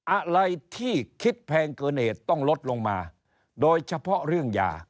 อะไรที่คิดแพงเกินเหตุต้องลดลงมาโดยเฉพาะเรื่องยา